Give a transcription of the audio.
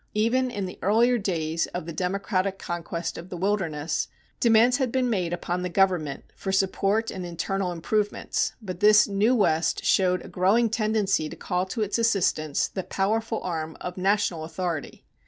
Even in the earlier days of the democratic conquest of the wilderness, demands had been made upon the government for support in internal improvements, but this new West showed a growing tendency to call to its assistance the powerful arm of national authority.